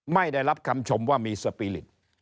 ไม่ได้รับคำชมว่ามีสปีริต